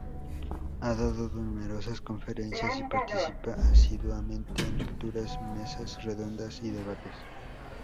Ha dado numerosas conferencias y participa asiduamente en lecturas, mesas redondas y debates.